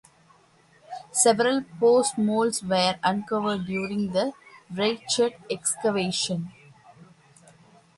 Several post molds were uncovered during the Reichert excavations.